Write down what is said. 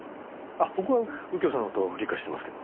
あっ僕は右京さんの事理解してますけど。